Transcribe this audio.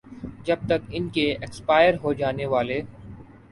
جب تک ان کے ایکسپائر ہوجانے والے